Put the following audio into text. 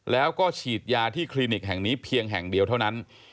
แล้วก็ฉีดยาที่คลินิกแห่งนี้เพียงแห่งเดียวเท่านั้น